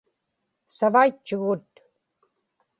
savaitchugut